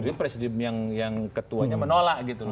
jadi presidium yang ketuanya menolak gitu loh